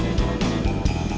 nnya tau nggak